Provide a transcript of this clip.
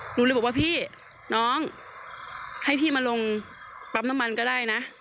หนูเลยบอกว่าพี่น้องให้พี่มาลงปั๊มน้ำมันก็ได้นะ